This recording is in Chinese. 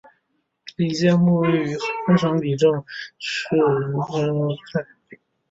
李诫墓位于河南省新郑市龙湖镇于寨村西。